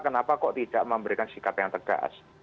kenapa kok tidak memberikan sikap yang tegas